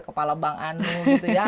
kepala bang anu gitu ya